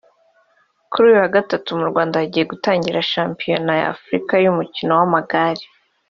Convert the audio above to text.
Kuri uyu wa Gatatu mu Rwanda hagiye gutangira Shampiona y’Afurka y’umukino w’amagare